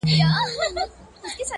په هفتو یې سره وکړل مجلسونه،